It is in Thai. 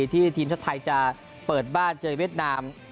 ทีมชาติไทยจะเปิดบ้านเจอเวียดนาม